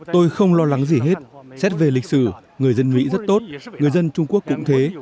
tôi không lo lắng gì hết xét về lịch sử người dân mỹ rất tốt người dân trung quốc cũng thế